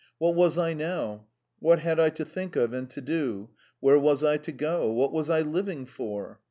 What was I now? What had I to think of and to do? Where was I to go? What was I living for?